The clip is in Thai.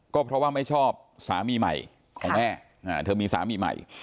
ก็เพราะว่าไม่ชอบสามีใหม่ของแม่เธอมีสามีใหม่